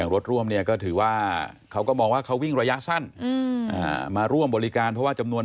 รถร่วมเนี่ยก็ถือว่าเขาก็มองว่าเขาวิ่งระยะสั้นมาร่วมบริการเพราะว่าจำนวน